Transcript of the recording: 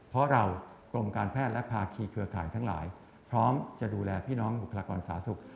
เพราะเรากรมการแพทย์และภาคีเครือข่ายทั้งหลายพร้อมจะดูแลพี่น้องบุคลากรสาธารณสุข